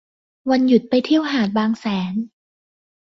วันหยุดไปเที่ยวหาดบางแสน